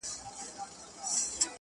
بیا یې پورته کړو نقاب له سپين رخساره,